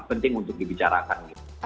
penting untuk dibicarakan